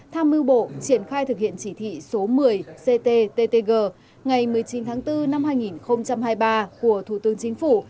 tham mưu bộ triển khai thực hiện chỉ thị số một mươi cttg ngày một mươi chín tháng bốn năm hai nghìn hai mươi ba của thủ tướng chính phủ